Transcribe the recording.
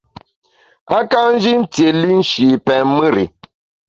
A ka nji ntiéli nshi pèn mùr i.